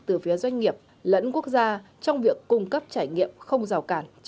từ phía doanh nghiệp lẫn quốc gia trong việc cung cấp trải nghiệm không rào cản cho du khách